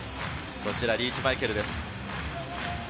こちらリーチ・マイケルです。